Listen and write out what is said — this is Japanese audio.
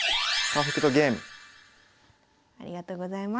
ありがとうございます。